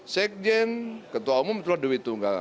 sekjen ketua umum itu adalah dewi tunggal